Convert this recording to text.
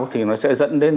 thì nó sẽ dẫn đến